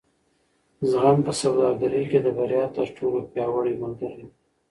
زغم په سوداګرۍ کې د بریا تر ټولو پیاوړی ملګری دی.